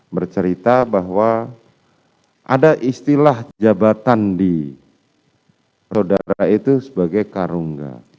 bercerita bahwa ada istilah jabatan di saudara itu sebagai karungga